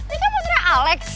ini kan motornya alex